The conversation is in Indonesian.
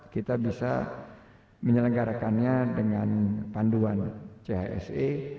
kita bisa menyelenggarakannya dengan panduan chse